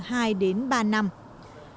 các doanh nghiệp trong và ngoài nước đã đến tiếp xúc